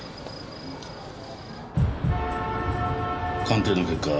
鑑定の結果